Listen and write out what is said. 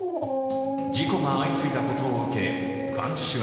事故が相次いだことを受けクワンジュ